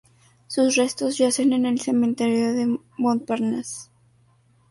Sus restos yacen en el cementerio de Montparnasse.